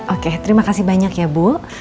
oke terima kasih banyak ya bu